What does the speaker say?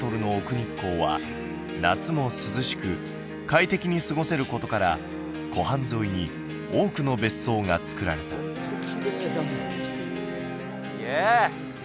日光は夏も涼しく快適に過ごせることから湖畔沿いに多くの別荘が造られたイエス！